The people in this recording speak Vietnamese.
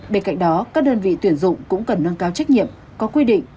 bên cạnh đó các đơn vị tuyển dụng cũng cần nâng cao trách nhiệm có quy định